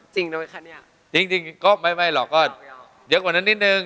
จริงก็ไม่หรอกก็เยอะกว่านั้นนิดนึง